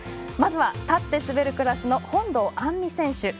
まず、立って滑るクラスの本堂杏実選手。